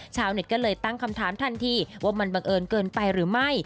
ชาวเน็ตก็เลยตั้งคำถามทันทีว่ามันบังเอิญเกินไปหรือไม่